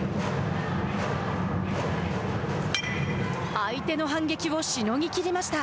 相手の反撃をしのぎきりました。